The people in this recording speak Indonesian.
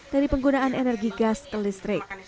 dari penggunaan energi gas ke listrik